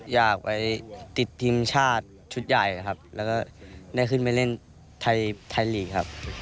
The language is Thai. อยากไปติดทีมชาติชุดใหญ่ครับแล้วก็ได้ขึ้นไปเล่นไทยลีกครับ